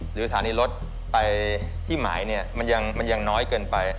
หรือสถานีรถไปที่หมายเนี่ยมันยังน้อยเกินไป